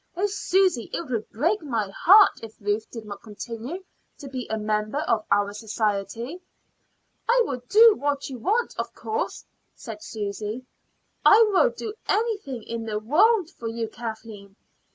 Oh, Susy, it would break my heart if Ruth did not continue to be a member of our society." "I will do what you want, of course," said Susy. "I'd do anything in the world for you, Kathleen.